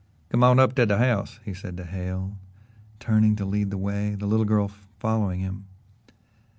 "Come on up to the house," he said to Hale, turning to lead the way, the little girl following him.